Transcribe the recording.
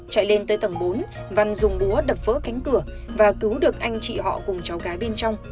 chạy lên tới tầng bốn văn dùng búa đập vỡ cánh cửa và cứu được anh chị họ cùng cháu gái bên trong